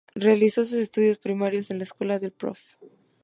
Realizó sus estudios primarios en la escuela del Profr.